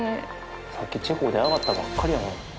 さっきチェコで上がったばっかりやのに。